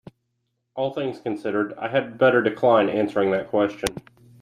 All things considered, I had better decline answering that question.